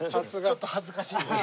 ちょっと恥ずかしいやつ。